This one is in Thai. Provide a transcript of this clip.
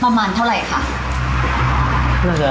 ประมาณเท่าไหร่ค่ะ